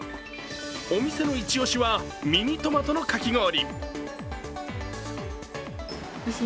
お店の一押しは、ミニトマトのかき氷。